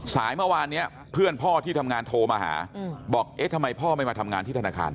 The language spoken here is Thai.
สายเมื่อวานนี้เพื่อนพ่อที่ทำงานโทรมาหาบอกเอ๊ะทำไมพ่อไม่มาทำงานที่ธนาคาร